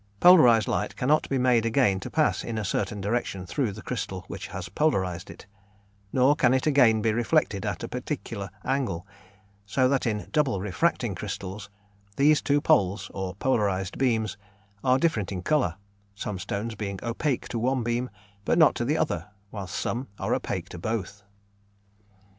Polarised light cannot be made again to pass in a certain direction through the crystal which has polarised it; nor can it again be reflected at a particular angle; so that in double refracting crystals, these two poles, or polarised beams, are different in colour, some stones being opaque to one beam but not to the other, whilst some are opaque to both.